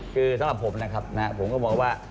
คือสำหรับผมนะครับนะครับผมก็บอกว่า